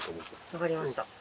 分かりました。